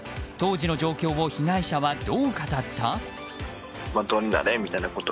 当時の状況を被害者はどう語った？